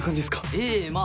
ええまあ